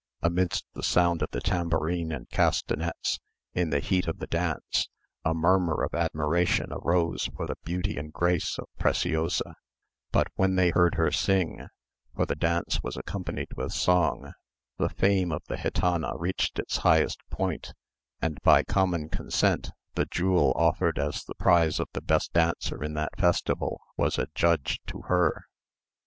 Amidst the sound of the tambourine and castanets, in the heat of the dance, a murmur of admiration arose for the beauty and grace of Preciosa; but when they heard her sing—for the dance was accompanied with song—the fame of the gitana reached its highest point; and by common consent the jewel offered as the prize of the best dancer in that festival was adjudged to her.